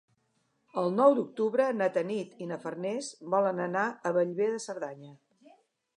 El nou d'octubre na Tanit i na Farners volen anar a Bellver de Cerdanya.